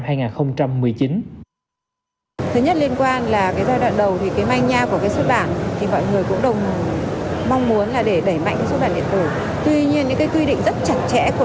thứ nhất liên quan là cái giai đoạn đầu thì cái manh nha của cái xuất bản